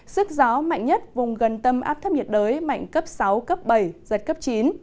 sức gió mạnh nhất vùng gần tâm áp thấp nhiệt đới mạnh cấp sáu cấp bảy giật cấp chín